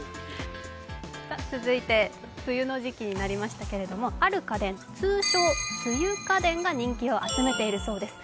梅雨の時期になりましたけれども、ある家電、通称・梅雨家電が人気を集めているそうです。